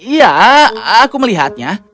iya aku melihatnya